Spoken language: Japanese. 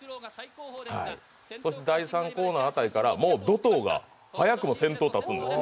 そして第３コーナー辺りからドトウが早くも先頭に立つんです。